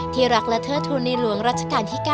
ที่รักและเทิดธรรมนิรวงรัชกาลที่๙